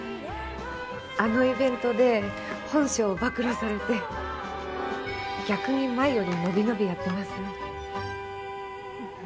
あのイベントで本性暴露されて逆に前より伸び伸びやってます。